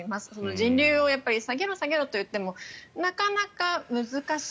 人流を下げろ下げろと言ってもなかなか難しい。